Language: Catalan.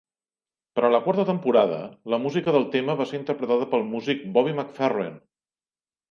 Per a la quarta temporada, la música del tema va ser interpretada pel músic Bobby McFerrin.